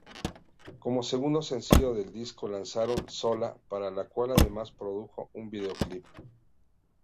Como segundo sencillo del disco, lanzaron "Sola", para la cual además produjeron un videoclip.